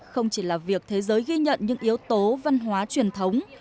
không chỉ là việc thế giới ghi nhận những yếu tố văn hóa truyền thống